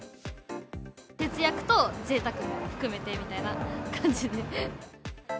節約とぜいたくも含めてみたいな感じで。